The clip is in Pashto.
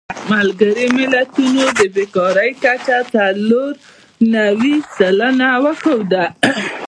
ملګرو ملتونو د بېکارۍ کچه څلور نوي سلنه وښوده.